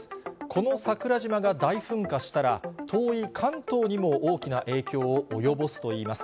この桜島が大噴火したら、遠い関東にも大きな影響を及ぼすといいます。